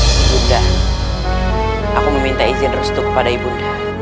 ibu bunda aku meminta izin restu kepada ibu bunda